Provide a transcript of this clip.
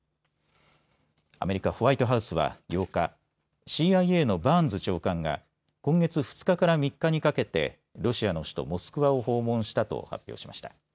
アメリカ、ホワイトハウスは８日、ＣＩＡのバーンズ長官が今月２日から３日にかけてロシアの首都モスクワを訪問したと発表しました。